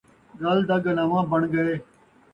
ڳل دا ڳلان٘واں بݨ ڳئے